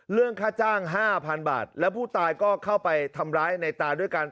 เรื่องค่าจ้าง๕๐๐๐บาทแล้วผู้ตายก็เข้าไปทำร้ายในตาด้วยกัน